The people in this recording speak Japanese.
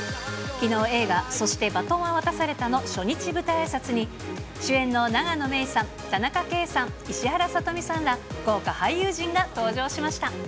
きのう、映画、そして、バトンは渡されたの初日舞台あいさつに主演の永野芽郁さん、田中圭さん、石原さとみさんら豪華俳優陣が登場しました。